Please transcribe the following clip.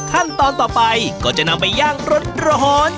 ขั้นตอนต่อไปก็จะนำไปย่างร้อน